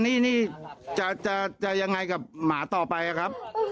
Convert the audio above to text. แม่นี้จันนี้จะยังไงกับหมาต่อไปอ่ะครับ